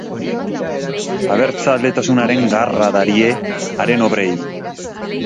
Abertzaletasunaren garra darie haren obrei.